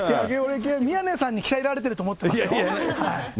宮根さんに鍛えられてると思ってるんですけどね。